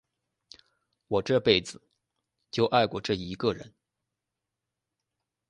我这辈子就爱过这一个人。